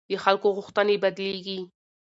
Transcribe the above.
د خلکو غوښتنې بدلېږي